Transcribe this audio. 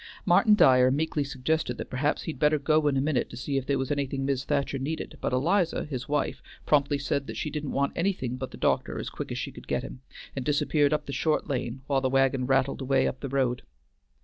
Martin Dyer meekly suggested that perhaps he'd better go in a minute to see if there was anything Mis' Thacher needed, but Eliza, his wife, promptly said that she didn't want anything but the doctor as quick as she could get him, and disappeared up the short lane while the wagon rattled away up the road.